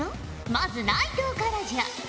まず内藤からじゃ。